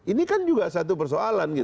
ini kan juga satu persoalan